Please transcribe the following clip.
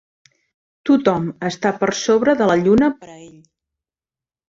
Tothom està per sobre de la lluna per a ell.